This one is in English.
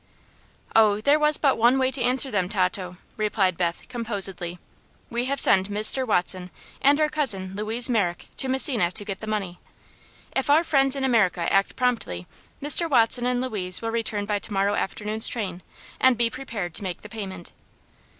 "Oh, there was but one way to answer them, Tato," replied Beth, composedly. "We have sent Mr. Watson and our cousin Louise Merrick to Messina to get the money. If our friends in America act promptly Mr. Watson and Louise will return by to morrow afternoon's train, and be prepared to make the payment."